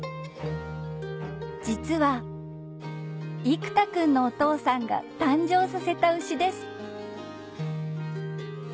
実は生田君のお父さんが誕生させた牛です